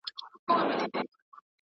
څو كسان وه په كوڅه كي يې دعوه وه